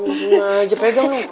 gak usah pegang nih